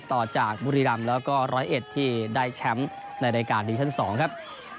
ต่อจากบุรีรำแล้วก็ร้อยเอ็ดที่ได้แชมป์ในรายการดิวิชั่น๒ครับ